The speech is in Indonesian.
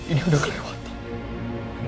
ini udah kelewatan